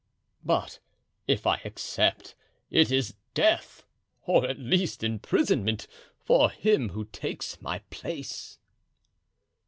"But if I accept, it is death, or at least imprisonment, for him who takes my place."